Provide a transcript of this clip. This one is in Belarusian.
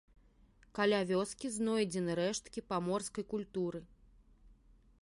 Каля вёскі знойдзены рэшткі паморскай культуры.